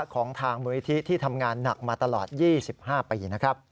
ของทางมูลทิศที่ทำงานหนักมาตลอด๒๕ปี